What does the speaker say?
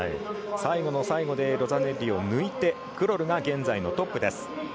最後の最後でロザネッリを抜いてクロルが現在のトップです。